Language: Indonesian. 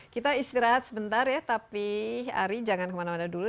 kita istirahat sebentar ya tapi ari jangan kemana mana dulu